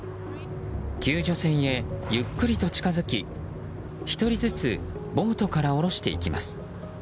救助船へ、ゆっくりと近づき１人ずつボートから降ろしていきます。